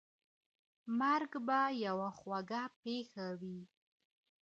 مرګ به یوه خوږه پېښه وي.